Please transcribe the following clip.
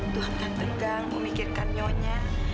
tuan kan tegang memikirkan nyonya